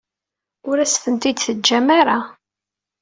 Ur as-tent-id-teǧǧam ara.